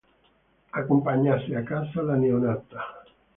Accompagnasse a casa la neonata.